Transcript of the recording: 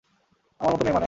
আমার মতো মেয়ে মানে?